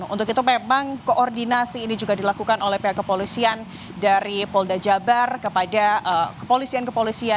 untuk merekonstruksi wajah dari pelaku itu